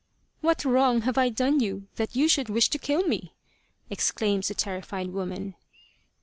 " What wrong have I done you that you should wish to kill me ?" exclaims the terrified woman.